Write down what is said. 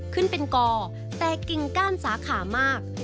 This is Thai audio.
ขึ้นเป็นกอแต่กิ่งก้านสาขามาก